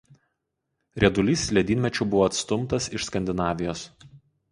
Riedulys ledynmečiu buvo atstumtas iš Skandinavijos.